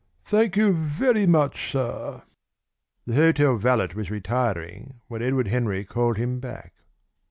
Thank you very much, sir." The hotel valet was retiring when Edward Henry called him back.